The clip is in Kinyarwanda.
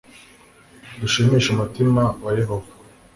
dushimishe umutima wa yehova